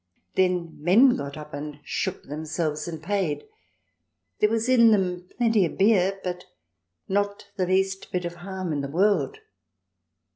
Then men got up and shook themselves, and paid. There was in them plenty of beer, but not the least bit of harm in the world.